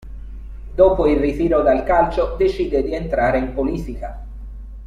Dopo il ritiro dal calcio decide di entrare in politica.